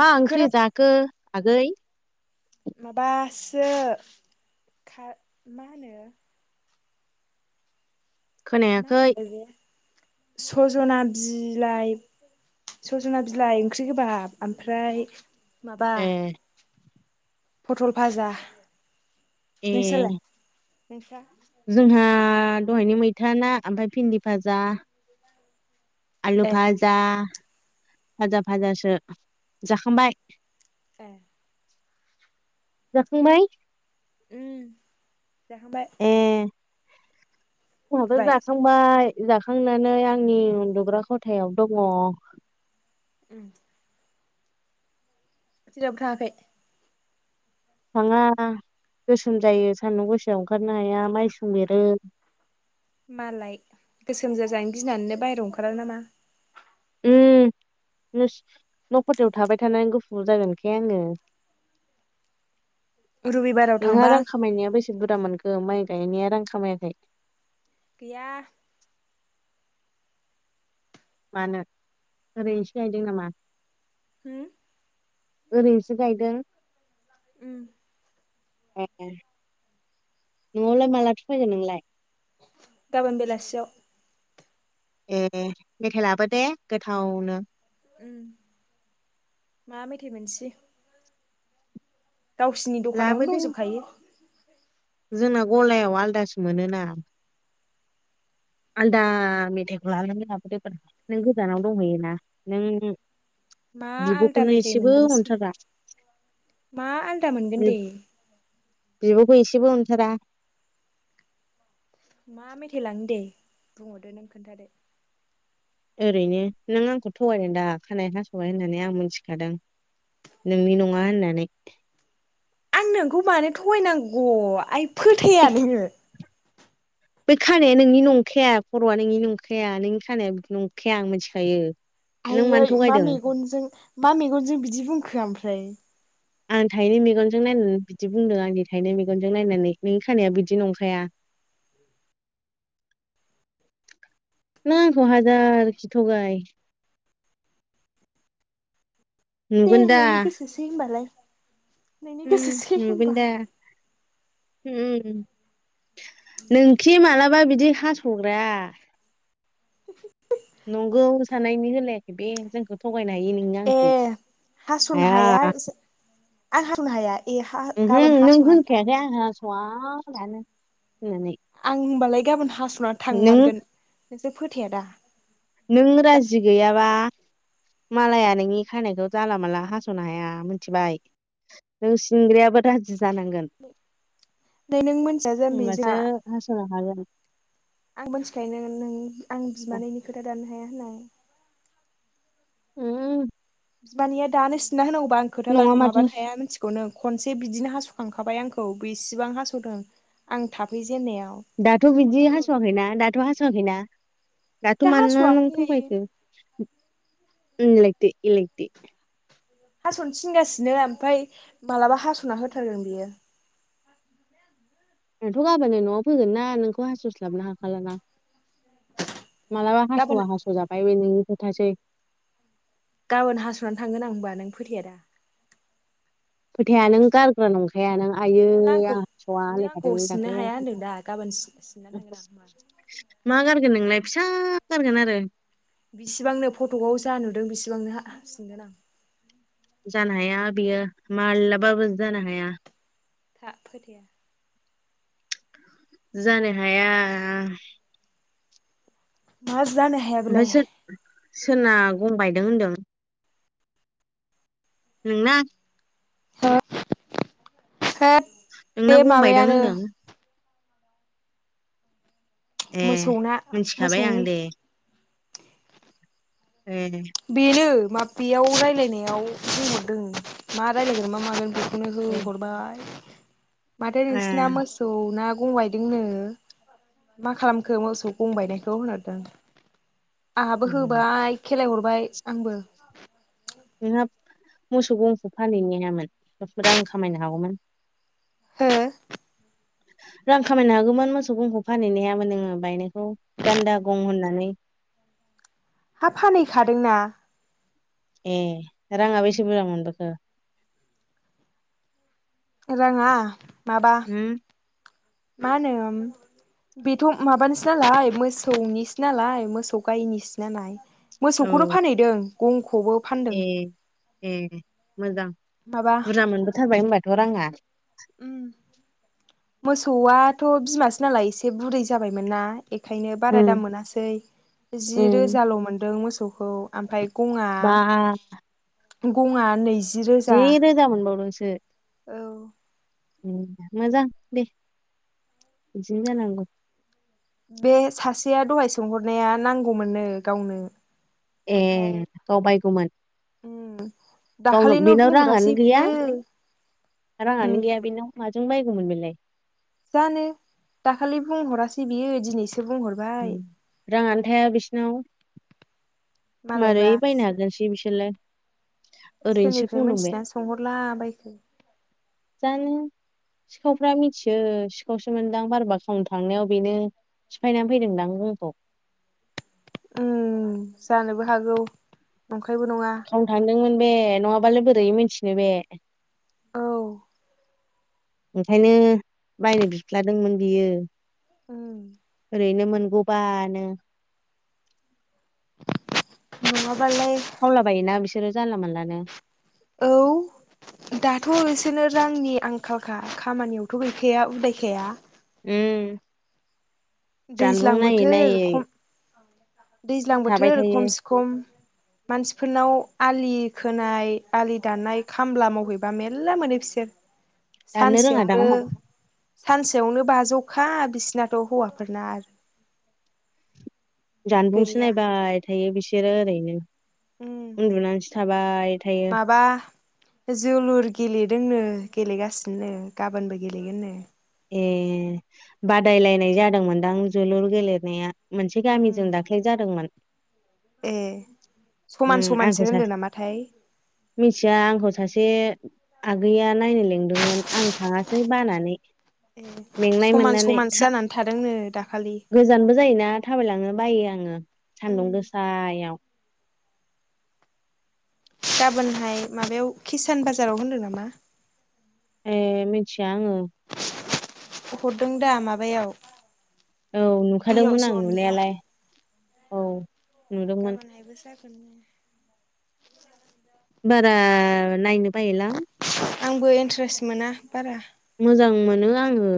मा ओंख्रि खोना जाखो आगै माबासो खा मा होनो मा खोनायाखै होनोथाय बे सजना बिलाइ सजना बिलाइ ओंख्रि गोबाब ओमफ्राय माबा ए पथल फाजा ए नोंस्रा जोंहा दहायनि मैथा ना ओमफाय फिन्दि फाजा आलु ए भाजा भाजा भाजासो जाखांबाय ए जाखांबाय उम जाखांबाय उमबो उन्दुबाय जासांबाय जाखांनानै आंनि उन्दुग्रा खथायाव दङ उम जेरावबो थाङाखै थाङा। गोसोम जायो सान्दुं गोसायाव ओंखारनो हाया मायसुं बेरो। मालाय गोसोम जाजानो गिनानैनो बाहेराव ओंखारा नामा। उम नुस न'खथायाव थाबाय थानानै गुफुर जागोनखाय आङो। [inaudible] रबिबाराव नोंहा थांबा रां खामायनाया बेसे बुरजा मोनखो माइ गायनाया रांखामायाखै गैया मानो ओरैनसो गायदों नामा? हुम ओरैनोसो गायदों उम ए ए न'आवलाय मालाथो फैगोन नोंलाय? गाबोन बेलासियाव ए ए मेथाय लाबो दे गोथावनो उम मा मेथाय मोननोसै गावसिनि दखानावनो लाबोदो दंजोबखायो जोंना गलायाव आलदासो मोनोना आलादा मेथायखौ लाङनानै लाबोदोब्रा नों गोजानाव दंहैयोना नों मा आलदा बिब'खौनो मेथाइ एसेबो मोनगोनसै अनथारा। मा आलदा मोनगोन दे बिब'खौ एसेबो अनथारा मा मेथाइ लांनो दे बुंहरदो नों खोन्थादो ओरैनो नों आंखौ थगायदों दा खानाय हास'बबाय होननानै आं मोनथिखादों। नोंनि नङा होननानै आं नोंखौ मानो थगायनांगौ आइ फोथाया नोङो बे खानाया नोंनि नंखाया खर'आ नोंनि नंखाया नोंनि खानाया नंखाया आं मोथिखायो आइयै मा मेगनजों मा मेगनजों बिदि बुंखो ओमफ्राय। आं थाइनै मेगनजों नायनानै बिदि बुंदों आंनि थाइनै मेगनजों नायनानै नोंनि खानाया बिदि नंखाया [inaudible] नों आंखौ हाजारखि थगाय दे नुगोन दा नोंनि गोसोसै होनबालाय नोंनि उम गोसोसै नुगोन होनबा दा उम नोंखि मालाबा बिदि हास ग्रा। [inaudible] नंगौ साननायनि होलायाखै बे जोंखौ थं गायनो हायो नोंओ ए आंखौ हाया। आं हामनो हाया। ए हा उमहो गाबोन नों हास'नानै होनखायाखै थांमारनि आं खोनासंआ आं होनबालाय गाबोन हास'ना नों थांमारगोन नोंसोर फोथाया दा। नों राजि गैयाबा मालाया नोंनि खानाइखौ जाला माला हास'नो हाया मोनथिबाय। नों सिंग्रायाबो राजि जानांगोन नै नों मिथिया जाम्बि होनबासो जोंहा हास'नो हागोन। आं मिन्थिखायोनो नों आं बिमानैनि खोथा दानो हाया होननानै। उम बिमानैआ दानो सिनना होनांगौबा आं खोथा नङा माथो माबानो हाया मिथिगौ नों। खनसे बिदिनो हास' खांखाबाय आंखौ बेसेबां हास'दों आं थाफै जेनन्नायाव। दाथ' बिदि हास'वाखैना दाथ' हास'वाखैना? दाथ' दा मानो नों हास'वाखै थगायखो? एलायथो एलायथो। हास'नो थिन गासिनो ओमफाय मालाबा हास'ना होथारगोन बेयो। नोंथ' गाबोननो न'आव फैगोन ना नोंखौ हास'स्लाबनो हाखाला ना। मालाबा गाबोन हासबा हासो जाबाय बे नोंनि खोथासै। गाबोन हास'नानै थांगोन आं होनबा नों फोथया दा। फोथाया नों गारग्रा नंखा खाया नों आइयै नों आंखौ आं स'आ नों आंखौ लायखादों सिननो दाख्लै। हाया होनदों दा गाबोन सिननानै थांगोन आं होनबा मा गारगोन नोंलाय फिसा गारगोन आरो। बिसि बांनो फट'क आव जा नुदों बेसि बांनो हा सिनगोन आं। जानो हाया बियो माला बाबो जानो हाया। था फोथायाबा। जानो हाया मा जानो हाया ओमफ्राय बेलाय। सोर सोरना गं बायदों होनदों? नोंना? हो हो बे नोंना गंबायदों माबायानो होनदों ऐ मोसौना मिन्थि खाबाय आं मोसौनि दे। ए बेनो मा बेयाव रायलाय नायाव बुंहरदों मा रायलायगोन मा मागोन बे खौनो ए हरबाय माथो आ नोंसिना मोसौ ना गं बायदों नो मा खालामखो मोसौ गं बायनायखौ होन हरदों। आहाबो उम होबाय खेलाय हरबाय आंबो। नोंहा मोसौ गंखौ फानहैनो हायामोन रां खामायनो हागौमोन। हो? रां खामायनो हागौमोन मोसौ गंखौ फानहै नायाबो नोङो बायनायखौ गान्दा गं होननानै। हा फानहै खादोंना। ऐ राङा बेसे बुरजा मोनबोखो? रां आ माबा होम मा होनो बेथ' माबानिसो नालाय मोसौ निसो नालाय मोसौ गायनिसो नालाय औ मोसौ खौनो फानहैदों गंखौबो फानदों। ए ए मोजां माबा बुरजा मोनबो थारबाय होनबाथ' राङा? मोसौ आथ' बिमासो नालाय एसे बुरै जाबाय मोनना बेखायनो बारा उम दाम मोनासै जि उम रोजाल' मोनदों मोसौखौ ओमफ्राय गङा बा गङा नैजि जि रोजा मोनबाव दोंसो। औ मोजां दे बिदिनो जानांगौ। बे सासेया दहाय सोंहर नाया नांगौ मोननो गावनो। ए ओमफ्राय गाव बायगौ मोन? उम गावनाव दाखालिनो बेनाव राङानो बुंहरासै गैया। बियो राङानो गैया बेनाव माजों बायगौ मोन बेलाय। जानो दाखालि बुंहरासै बियो दिनैसो बुंहरबाय राङानो थाया बिसिनाव। मारै मालायबा बायनो हागोनसै बिसोरलाय। सोर ओरैनोसो निफ्राय बुंदों बे मोनथिना सोंहरला बायखो जानो सिखावफ्रा मिथियो सिखावसो मोनदां बाराबा खावनो थांनायाव बेनो सिफायनानै फैदों दां जोंखौ। उम जानोबो हागौ। नंखा खावनो थांदोंमोन बे नङाबालाय बोरै मिथिनो बे। औ। ओंखायनो बायनो बिफ्लादोंमोन बियो। उम ओरैनो मोनगौबानो। [unintelligible] खावला बायो ना बिसोरो जानला मानलानो। औ। दाथ' बिसोरनो रांनि आंखालखा। खामानियावथ' गैखाया उदायखाया। ओम जानबुं दैज्लां नायै बोथोर नायै। खम दैज्लां थाबाय बोथोर थायो खमसे खम मानसिफोरनाव आलि खोनाय आलि दाननाय खामला मावहैबा मेरला मोनो बि सोर दाननो रोङादां सानसेयावनो सानसेयावनो बाजौखा बिसिनाथ' हौवाफोरना आरो जानबुंसो गैया नायबाय थायो बिसोरो ओरैनो। उम उन्दुनानैसो थाबाय थायो माबा जोलुर गेलेदोंनो गेलेगासिनोनो गाबोनबो गेलेगोननो। ए बादायलायनाय जादोंमोन दां जोलुर गेलेनाया मोनसे उम गामिजों दाख्लै जादोंमोन। ए उम समान आंखौ समानसो सासे होनदो नामाथाय मिथिया आंखौ सासे बे आगैया नायनो लिंदोंमोन आं थाङासै बानानै। ए मेंनाय समान मोननानै समानसो था जानानै थादोंनो दाखालि गोजानबो जायोना थाबायलांनो बायो आङो उम सान्दुं गोसायाव। गाबोनहाय माबायाव खिसान बाजाराव होनदों नामा? ए मिथिया आङो। हरदों दा माबायाव औ इयाव नुखादोंमोन आं जनियाव नुनायालाय औ। नुदोंमोन गाबोनहायबो जागोननो। बारा नायनो बायोलां। आंबो इन्ट्रेस्ट मोना बारा। मोजां मोनो आङो।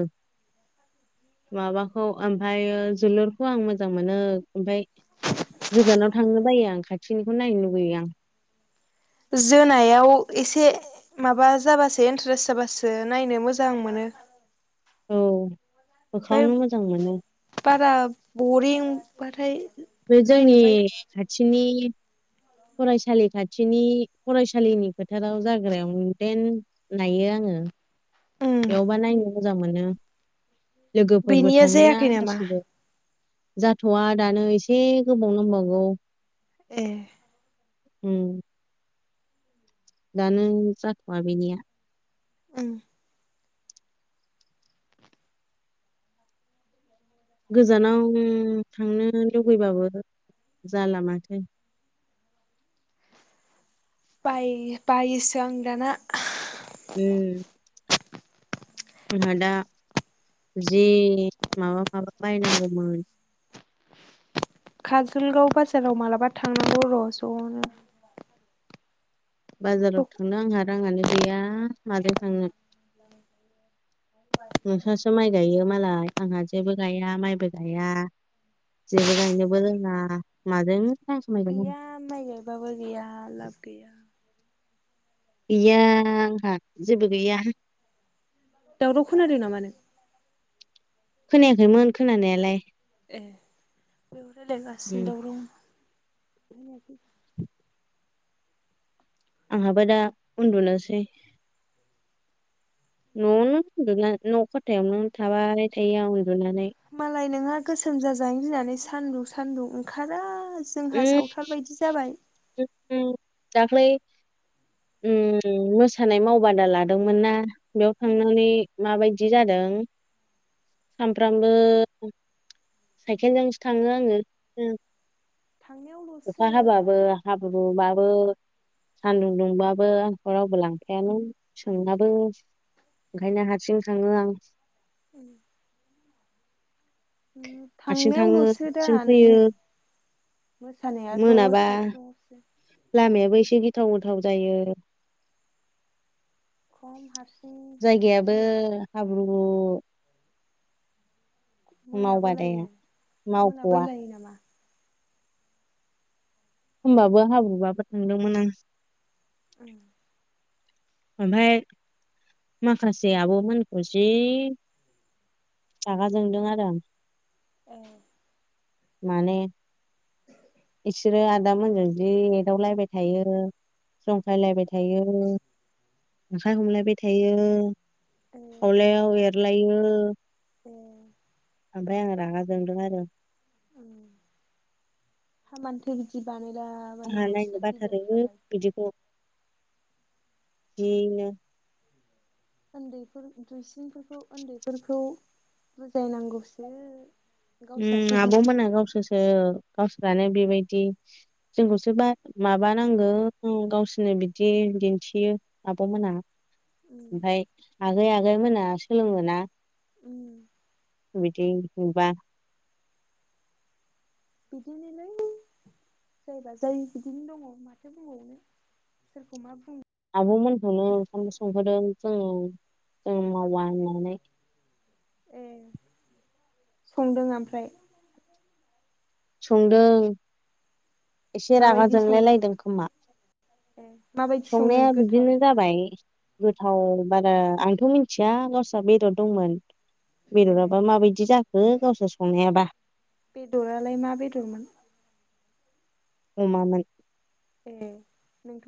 माबाखौ ओमफायो जोलुरखौ आं मोजां मोनो। ओमफाय गोजानाव थांनो बायो आं खाथिनिखौ नायनो लुगैयो आं। जोनायाव एसे माबा जाबासो इन्ट्रेस्ट जाबासो नायनो मोजां मोनो। औ। औ। ओमफ्राय होख्रावनो मोजां मोनो बारा बरिं बाथाय बे जोंनि खाथिनि फरायसालि खाथिनि फरायसालिनि फोथाराव जाग्रायावनो देन नायो आं ङो। उम बेयावबा नायनो मोजां मोनो। लोगोफोरबो बेनिया थाङोना जायाखै नामा गासिबो। जाथ'वा दानो एसे गोबाव नांबावगौ। ए। उम। दानो जाथ'वा बेनिया। ओं। गोजानावनो थांनो लुबैबाबो जाला माथो। बायो बायोसो आं दाना। उम आंहा दा जि माबा माबा बायनांगौमोन काजलगाव बाजाराव मालाबा थांनांगौ र' ज'नो बाजाराव थांनो आंहा राङानो गैया माजों थांनो नोंससो माइ गायो मालाय आंहा जेबो गाया माइबो गाया जेबो गायनोबो रोङा माजों रां खामायगोन आं गैया माय गायबाबो गैया लाब गैया गैया आंहा जेबो गैया दावराव खोनादों नामा नों खोनायाखैमोन खोनानायालाय ए बेयाव उम रायलायगासिनो दं आंहाबो दा उन्दुनोसै न'आवनो [unintelligible] ' खाथायावनो थाबाय थायो आं उन्दुनानै मालाय नोंहा गोसोम जाजानो गिनानै सान्दुं सान्दुं ओंखारा जोंहा सावथाल बायदि जाबाय ओम दाख्लै ओम मोसानाय मावबादा लादोंमोन ना बेयाव थांनानै माबायदि जादों [inaudible] सानफ्रामबो साइकेलजोंसो थाङो आङो थांनायावल'सो अखा हाबाबो हाब्रु माबो सान्दुं दुंबाबो आंखौ रावबो लांफायानो सोंनाबो ओंखायनो हारसिं थाङो आं ओम हारसिं थाङो थांनायावल'सो दा हारसिं फैयो नोङो मोसानायाथ' मोनाबा सायख्लुमसो लामायाबो एसे गिथाव गोथाव जायो खम हारसिं जायगायाबो जिन हाब्रु मोनाबोलायो मावबादाया मोना मावख'वा बोलायो नामा? हमबाबो हाब्रुबाबो थांदोंमोन आं ओम ओमफ्राय माखासे आब' मोनखौ' जि रागा जोंदों आरो आं ए माने बिसोरो आदा मोनजों जि एदावलायबाय थायो जंखायलायबाय थायो आखाय हमलायबाय थायो ए खावलायाव एरलायो ए ओमफ्राय आङो रागा जोंदों आरो हामानोथो बिदि बानाय आंहा नायनो बाथारोबो बिदिखौ [inaudible] उन्दै दुइसिनफोरखौ उन्दैफोरखौ बुजायनांगौसो उम गावस्रासो बिदि आब'मोना गावसोरसो गावसोरानो बेबायदि जोंखौसो बा माबानांगौ गावसोरनो बिदि दिन्थियो आब'मोना उम ओमफ्राय आगै आगै मोना सोलोङोना उम बिदि नुबा बिदिनोलोय जायबा जाय बिदिनो दङ माथो बुंबावनो सोरखौ मा बुं आब'मोनखौनो ओंखामबो संहोदों जोङो जों मावा होननानै ए संदों ओमफ्राय संदों एसे रागा माबायदि जोंलाय संदों लायदों खोमा ए माबायदि संदों संनाया गोथाव बिदिनो ना जाबाय गोथाव बारा आंथ' मिथिया गावस्रा बेदर दंमोन ए बेदराबा माबायदि जाखो गावसोर संनायाबा बेदरालाय मा बेदरमोन अमामोन ए नोंथ'